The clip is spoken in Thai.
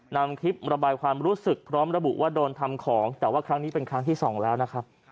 นำคลิประบายความรู้สึกพร้อมระบุว่าโดนทำของแต่ว่าครั้งนี้เป็นครั้งที่สองแล้วนะครับ